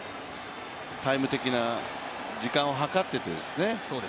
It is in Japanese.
タイム的な時間をはかってですね。